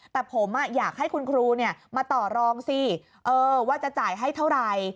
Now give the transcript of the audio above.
แต่ผมอยากให้คุณครูมาต่อรองสิว่าจะจ่ายให้เท่าไหร่